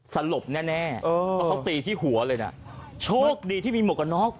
สลบแน่แน่เพราะเขาตีที่หัวเลยนะโชคดีที่มีหมวกกันน็อก